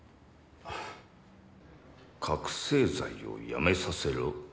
覚せい剤をやめさせろ？